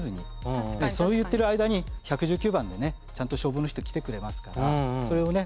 そう言ってる間に１１９番でねちゃんと消防の人来てくれますからそれをね